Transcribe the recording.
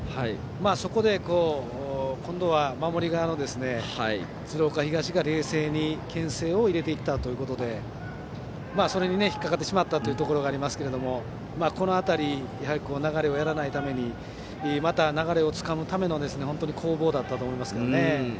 そこで今度は守り側の鶴岡東が冷静にけん制を入れていったというところでそれに引っかかったというところもありますがこの辺り、流れをやらないためにまた、流れをつかむための攻防だったと思いますね。